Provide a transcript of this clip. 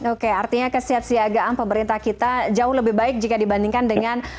oke artinya kesiapsiagaan pemerintah kita jauh lebih baik jika dibandingkan dengan